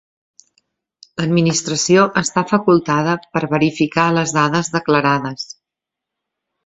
L'Administració està facultada per verificar les dades declarades.